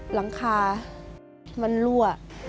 หลังคามันรั่ว